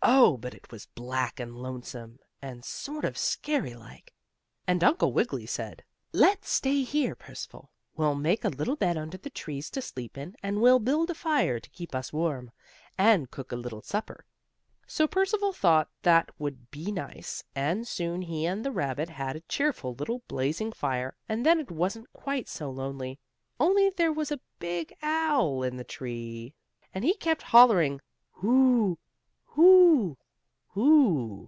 Oh, but it was black and lonesome and sort of scary like! and Uncle Wiggily said: "Let's stay here, Percival. We'll make a little bed under the trees to sleep in, and we'll build a fire to keep us warm, and cook a little supper." So Percival thought that would be nice, and soon he and the rabbit had a cheerful little fire blazing, and then it wasn't quite so lonely. Only there was a big owl in a tree, and he kept hollering "Who? Who? Who?"